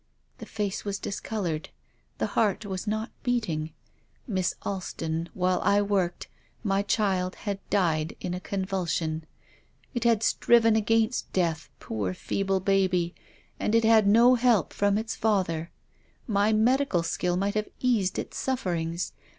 The face was discoloured. The heart was not beating. Miss Alston, while I worked, my child had died in a convulsion. It had striven against death, poor THE DEAD CHILD. 209 feeble baby, and had had no help from its father. My medical skill might have eased its sufferings.